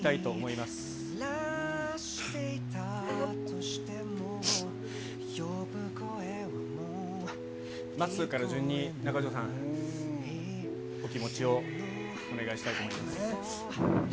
まっすーから順に、中条さん、お気持ちをお願いしたいと思います。